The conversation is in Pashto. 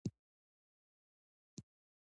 زليخاترور : خېرت خو دى.